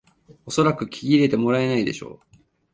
おそらく聞き入れてもらえないでしょう